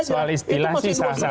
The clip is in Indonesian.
soal istilah sih sah sah